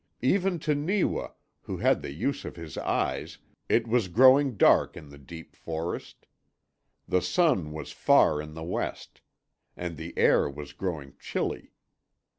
Even to Neewa, who had the use of his eyes, it was growing dark in the deep forest. The sun was far in the west. And the air was growing chilly.